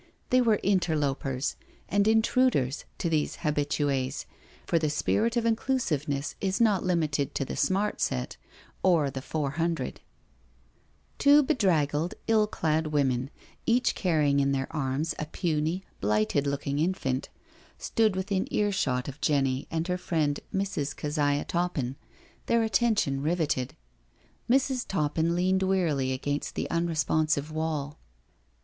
They were interlopers and intruders to these habitues, for the spirit of ezclusiveness is not limited to the smart set or the " four hundred." 73 74 NO SURRENDER Two bedraggled, ill clad women, each carrying in her arms a puny, blighted looking infant, stood within earshot of Jenny and her friend, Mrs. Keziah Toppin, their attention riveted. Mrs. Toppin leaned wearily against the unresponsive wall.